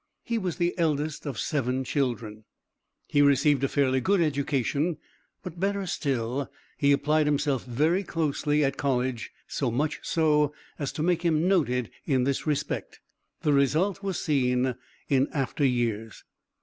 He was the eldest of seven children. He received a fairly good education but better still, he applied himself very closely at college, so much so as to make him noted in this respect; the result was seen in after years.